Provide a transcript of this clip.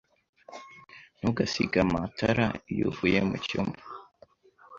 Ntugasige amatara iyo uvuye mucyumba.